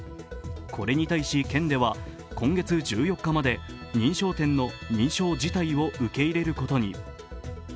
これに対し県では、今月１４日まで認証店の認証辞退を受け入れることに。